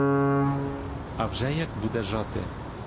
А вже як буде жати!